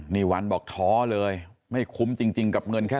นี่วันบอกท้อเลยไม่คุ้มจริงกับเงินแค่